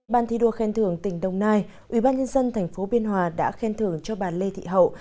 ban thi đua khen thưởng tỉnh đồng nai ubnd tp biên hòa đã khen thưởng cho bà lê thị hậu